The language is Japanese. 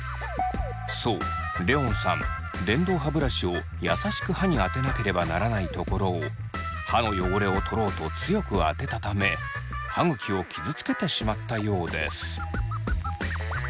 そうレオンさん電動歯ブラシをやさしく歯に当てなければならないところを歯の汚れを取ろうと強く当てたため歯ぐきを傷つけてしまったようです。